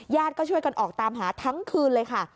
ก็ช่วยกันออกตามหาทั้งคืนเลยค่ะ